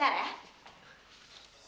hosek banget sih